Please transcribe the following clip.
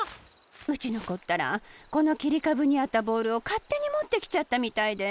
うちのこったらこのきりかぶにあったボールをかってにもってきちゃったみたいで。